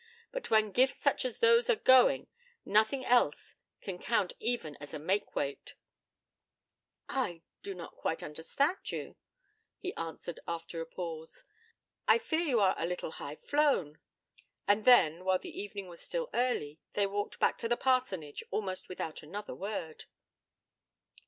But when gifts such as those are going, nothing else can count even as a make weight.' 'I do not quite understand you,' he answered, after a pause. 'I fear you are a little high flown.' And then, while the evening was still early, they walked back to the parsonage almost without another word.